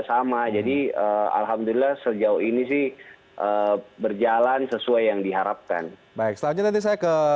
sama jadi alhamdulillah sejauh ini sih berjalan sesuai yang diharapkan baik selanjutnya nanti saya ke